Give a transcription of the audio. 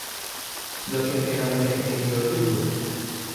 sina kepeken ala kepeken ilo Jutu?